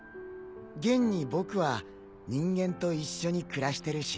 現に僕は人間と一緒に暮らしてるし。